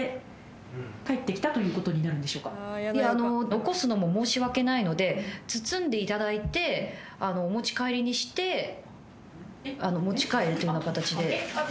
残すのも申し訳ないので包んでいただいて持ち帰りにして持ち帰る形で。